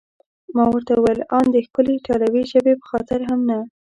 ما ورته وویل: ان د ښکلې ایټالوي ژبې په خاطر هم نه؟